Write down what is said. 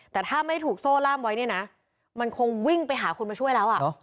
แต่ถ้าไม่ถูกโซ่ล่ามไว้เนี่ยนะมันคงวิ่งไปหาคนมาช่วยแล้วอ่ะ